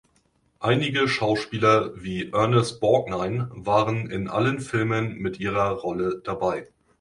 Einige Schauspieler wie Ernest Borgnine waren in allen Filmen mit ihrer Rolle dabei.